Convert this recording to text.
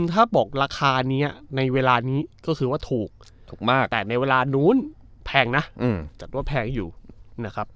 ถ้าบอกราคานี้ในเวลานี้ก็คือว่าถูกมากแต่ในเวลานู้นแพงนะจัดว่าแพงอยู่นะครับ